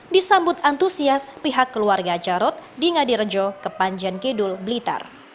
disambut antusias pihak keluarga jarod di ngadirejo kepanjen kidul blitar